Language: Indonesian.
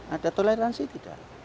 ada toleransi tidak